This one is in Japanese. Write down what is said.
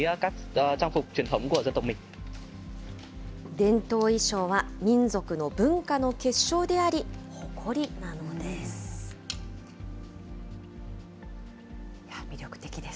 伝統衣装は民族の文化の結晶であり、誇りなんです。